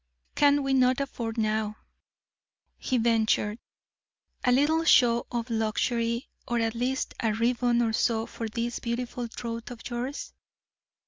'Can we not afford now,' he ventured, 'a little show of luxury, or at least a ribbon or so for this beautiful throat of yours?'